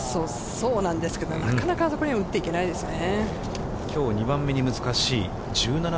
そうなんですけど、なかなかあそこには打っていけないですね。